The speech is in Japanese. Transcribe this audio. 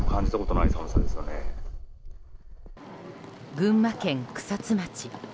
群馬県草津町。